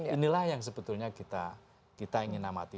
inilah yang sebetulnya kita ingin amati